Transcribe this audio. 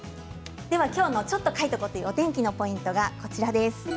今日の「ちょっと書いとこ！」というお天気のポイントです。